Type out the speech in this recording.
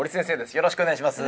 よろしくお願いします